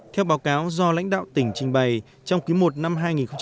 theo báo cáo do lãnh đạo tỉnh trình bày trong ký một năm hai nghìn một mươi bảy